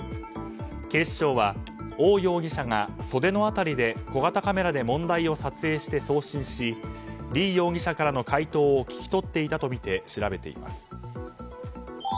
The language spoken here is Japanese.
警視庁は、オウ容疑者が袖の辺りで小型カメラで問題を撮影して送信しリ容疑者からの解答を聞き取っていたとみて調べています。